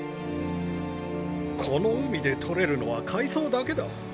この海でとれるのは海藻だけだ。